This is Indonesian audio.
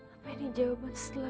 apa ini jawaban setelah